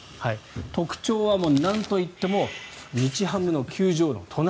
特徴は、なんと言っても日ハムの球場の隣。